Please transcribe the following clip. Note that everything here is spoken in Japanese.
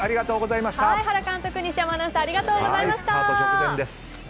原監督、西山アナウンサーありがとうございました。